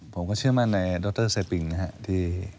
ผมก็เชื่อมั่นในดรเซปิงนะครับ